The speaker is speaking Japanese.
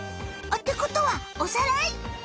あってことはおさらい？